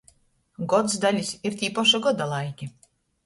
Godsdalis ir tī poši godalaiki.